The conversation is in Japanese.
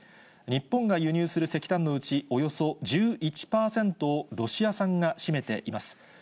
日本が輸入する石炭のうち、およそ１１％をロシア産が占めています。